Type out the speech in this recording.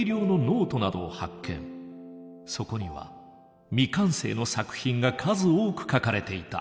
そこには未完成の作品が数多く書かれていた。